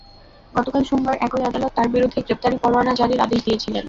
গতকাল সোমবার একই আদালত তাঁর বিরুদ্ধে গ্রেপ্তারি পরোয়ানা জারির আদেশ দিয়েছিলেন।